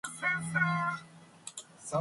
He supported his side when they played at home.